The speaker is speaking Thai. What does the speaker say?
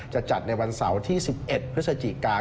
จะจัดในวันเสาร์ที่๑๑พฤศจิกา